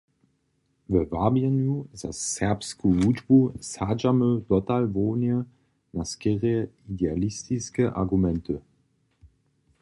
We wabjenju za serbsku wučbu sadźamy dotal hłownje na skerje idealistiske argumenty.